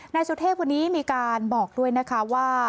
นายสุเทพวันนี้มีการบอกด้วยนะคะว่า